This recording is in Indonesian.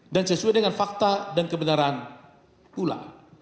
dan sesuai dengan fakta dan kebenaran pula